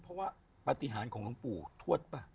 เพราะว่าปฏิหารของหลวงปู่ทวดป่ะ